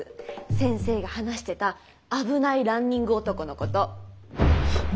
先生が話してた「危ないランニング男」のこと。